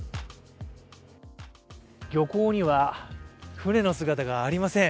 漁港には、船の姿がありません。